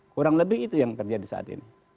kurang lebih itu yang terjadi saat ini